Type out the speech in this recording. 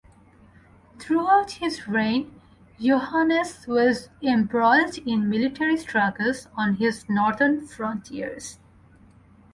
Throughout his reign, Yohannes was embroiled in military struggles on his northern frontiers.